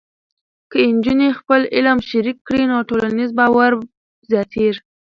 که نجونې خپل علم شریک کړي، نو ټولنیز باور زیاتېږي.